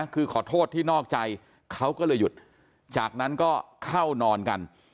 คือขอโทษที่นอกใจเขาก็เลยหยุดจากนั้นก็เข้านอนกัน